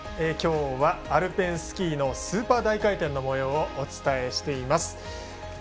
今日はアルペンスキーのスーパー大回転のもようをお伝えしています。